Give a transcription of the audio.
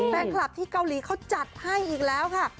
แฟนคลับที่เกาหลีเขาจัดให้อีกแล้วค่ะ